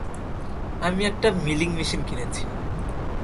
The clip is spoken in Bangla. আমি একটা মিলিং মেশিন কিনেছি।